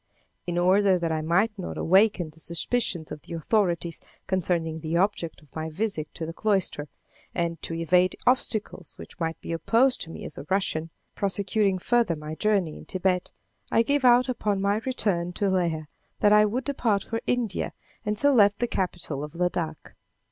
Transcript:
In order that I might not awaken the suspicions of the authorities concerning the object of my visit to the cloister, and to evade obstacles which might be opposed to me as a Russian, prosecuting further my journey in Thibet, I gave out upon my return to Leh that I would depart for India, and so left the capital of Ladak.